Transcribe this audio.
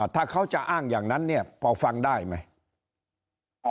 ถ้าเขาจะอ้างอย่างนั้นเนี่ยพอฟังได้ไหม